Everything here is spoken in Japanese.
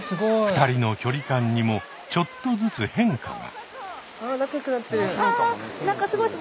２人の距離感にもちょっとずつ変化が。